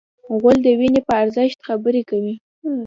غول د وینې په ارزښت خبرې کوي.